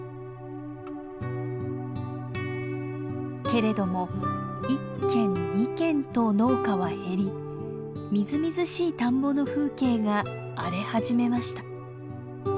けれども１軒２軒と農家は減りみずみずしい田んぼの風景が荒れ始めました。